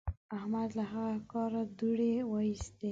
احمد له هغه کاره دوړې واېستلې.